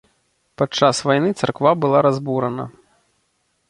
Падчас вайны царква была разбурана.